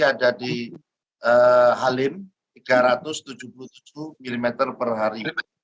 ada di halim tiga ratus tujuh puluh tujuh mm per hari